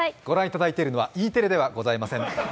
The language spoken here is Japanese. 御覧いただいているのはＥテレではございません。